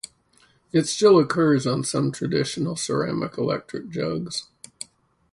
It still occurs on some traditional ceramic electric jugs.